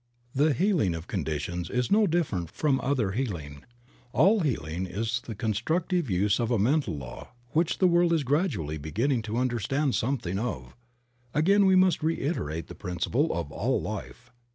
HPHE healing of conditions is no different from other healing. All healing is the constructive use of a mental law which the world is gradually beginning to under stand something of. Again we must reiterate the principle of all life.